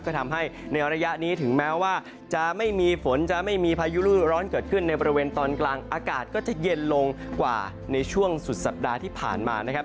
ก็ทำให้ในระยะนี้ถึงแม้ว่าจะไม่มีฝนจะไม่มีพายุรูดร้อนเกิดขึ้นในบริเวณตอนกลางอากาศก็จะเย็นลงกว่าในช่วงสุดสัปดาห์ที่ผ่านมานะครับ